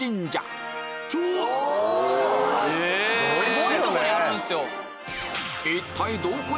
すごいとこにあるんすよ！